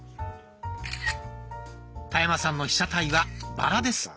田山さんの被写体はバラです。